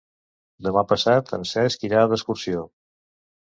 Demà passat en Cesc irà d'excursió.